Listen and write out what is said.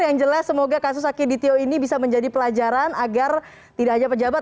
yang jelas semoga kasus akiditio ini bisa menjadi pelajaran agar tidak hanya pejabat